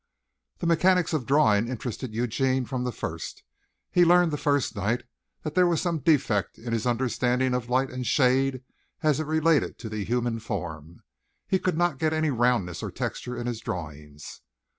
The mechanics of drawing interested Eugene from the first. He learned the first night that there was some defect in his understanding of light and shade as it related to the human form. He could not get any roundness or texture in his drawings.